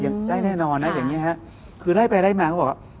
ใช่ได้แน่นอนนะคือไล่ไปไล่มาก็ว่า